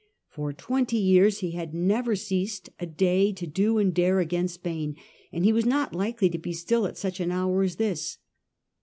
For twenty years he had never ceased a day to do and dare against Spain, and he was not likely to be still at such an hour as this.